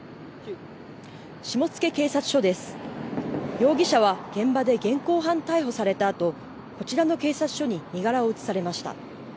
容疑者は現場で現行犯逮捕されたあと、こちらの警察署に身柄を移されました。